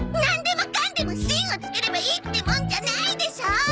なんでもかんでも「シン」をつければいいってもんじゃないでしょ！